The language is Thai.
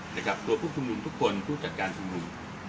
ทั่วผู้ทุกมุมคุณผู้จัดการจุดมุม